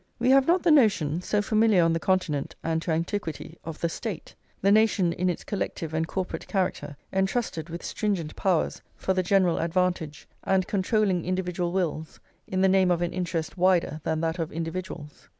We have not the notion, so familiar on the Continent and to antiquity, of the State the nation, in its collective and corporate character, entrusted with stringent powers for the general advantage, and controlling individual wills in the name of an interest wider than that of individuals.